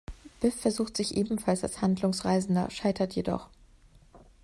Biff versucht sich ebenfalls als Handlungsreisender, scheitert jedoch.